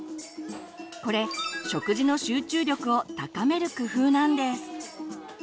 これ食事の集中力を高める工夫なんです。